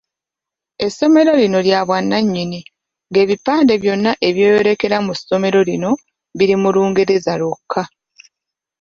Essomero lino lya bwannanyini nga ebipande byonna ebyeyolekera mu ssomero lino biri mu Lungereza lwokka.